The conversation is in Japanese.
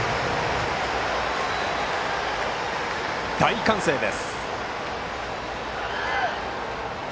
大歓声です。